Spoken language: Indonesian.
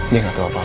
dia gak tau apa apa